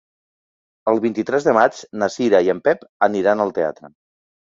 El vint-i-tres de maig na Cira i en Pep aniran al teatre.